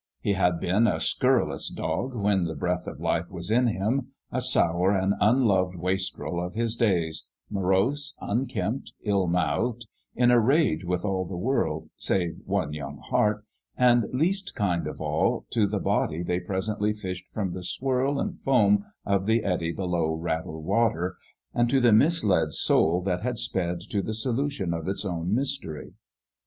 He had been a scurrilous dog when the breath of life was in him, a sour and unloved wastrel of his days, morose, unkempt, ill mouthed, in a rage with all the world, save one young heart, and least kind of all to the body they presently fished from the swirl and foam of the eddy below Rattle Water, and to the misled soul that had sped to the solution of its own mystery.